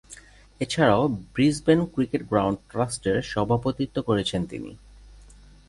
এছাড়াও, Brisbane cricket ground ট্রাস্টের সভাপতিত্ব করেছেন তিনি।